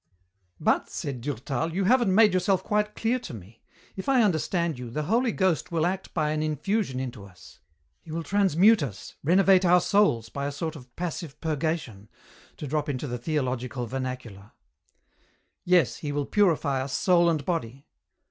"But," said Durtal, "you haven't made yourself quite clear to me. If I understand you, the Holy Ghost will act by an infusion into us. He will transmute us, renovate our souls by a sort of 'passive purgation' to drop into the theological vernacular." "Yes, he will purify us soul and body."